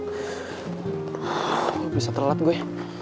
kok bisa terlap gue